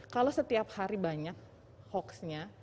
kalau setiap hari banyak hoaxnya